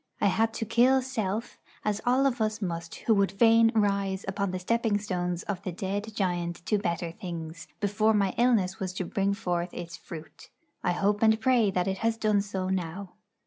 I had to kill Self as all of us must who would fain rise upon the stepping stones of the dead giant to better things, before my illness was to bring forth its fruit. I hope and pray that it has done so now.